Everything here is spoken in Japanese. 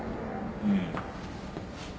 うん。